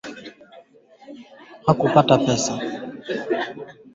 Pia kuna hofu kwamba wanajeshi wa mkataba